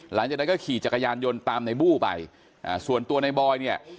หลังจากนั้นก็ขี่จักรยานยนต์ตามในบู้ไปอ่าส่วนตัวในบอยเนี่ย